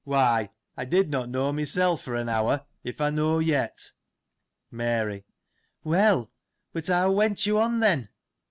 Why, I did not know myself, for an hour — if I know yet. Mary. — Well : but how went you on, then